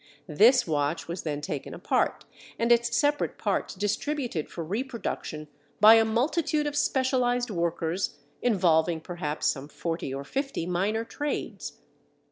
This watch was then taken apart and its separate parts distributed for reproduction by a multitude of specialized workers involving perhaps some forty or fifty minor trades.